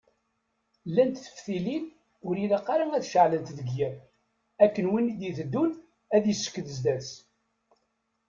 Llant teftilin ur ilaq ara ad ceɛlent deg yiḍ, akken win i d-iteddun ad isekked sdat-s.